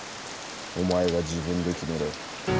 お前が自分で決めろ。